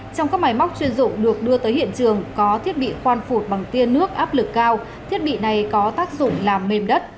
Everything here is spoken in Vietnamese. trong các máy móc chuyên dụng được đưa tới hiện trường có thiết bị khoan phụt bằng tiên nước áp lực cao thiết bị này có tác dụng làm mềm đất